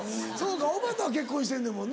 おばたは結婚してんねんもんな？